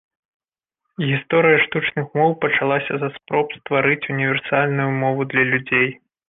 Гісторыя штучных моў пачалася са спроб стварыць універсальную мову для людзей.